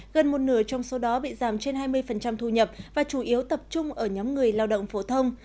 gần một nửa trong số đó bị giảm trên hai mươi thu nhập và chủ yếu tập trung ở nhóm người lao động phổ thông